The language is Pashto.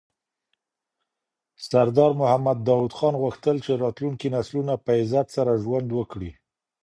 سردار محمد داود خان غوښتل چي راتلونکي نسلونه په عزت سره ژوند وکړي.